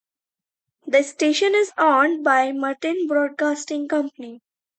The station is owned by Martin Broadcasting Company.